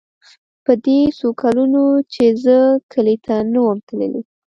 په دې څو کلونو چې زه کلي ته نه وم تللى.